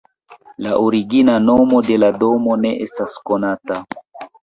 La origina nomo de la domo ne estas konata.